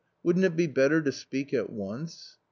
wouldn't it be better to speak at once